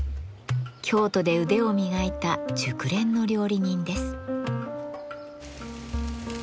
京都で腕を磨いた熟練の料理人です。